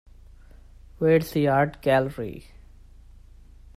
Where's the art gallery?